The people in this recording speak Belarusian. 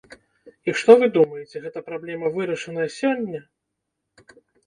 І што вы думаеце, гэтая праблема вырашаная сёння?